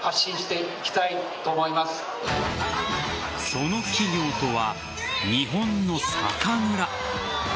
その企業とは日本の酒蔵。